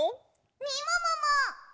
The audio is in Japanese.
みももも！